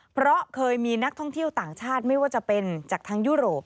เพราะเคยมีนักท่องเที่ยวต่างชาติไม่ว่าจะเป็นจากทางยุโรป